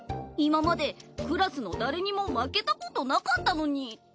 今までクラスの誰にも負けたことなかったのに。